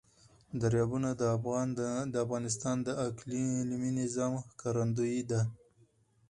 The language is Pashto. دریابونه د افغانستان د اقلیمي نظام ښکارندوی ده.